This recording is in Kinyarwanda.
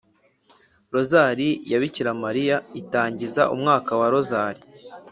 rozali ya bikira mariya”, itangiza umwaka wa rozali,